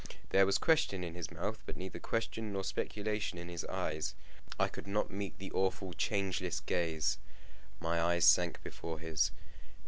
There was question in his mouth, but neither question nor speculation in his eyes. I could not meet the awful changeless gaze. My eyes sank before his.